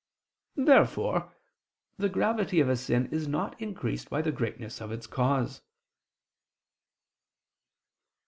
Therefore the gravity of a sin is not increased by the greatness of its cause.